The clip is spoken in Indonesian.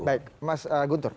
baik mas guntur